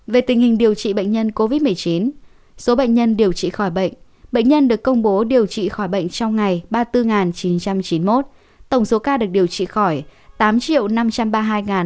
về tình hình điều trị bệnh nhân covid một mươi chín số bệnh nhân điều trị khỏi bệnh bệnh nhân được công bố điều trị khỏi bệnh trong ngày ba mươi bốn chín trăm chín mươi một tổng số ca được điều trị khỏi tám năm trăm ba mươi hai ca